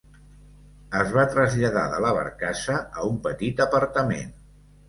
Es va traslladar de la barcassa a un petit apartament.